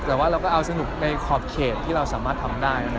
แต่ว่าเราก็เอาสนุกในขอบเขตที่เราสามารถทำได้อันนั้นเองครับ